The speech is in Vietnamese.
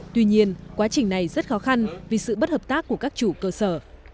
tuy nhiên quá trình này rất khó khăn vì sự bất hợp tác của các chủ cơ sở